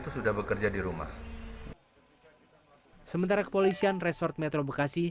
sementara kepolisian resort metro bekasi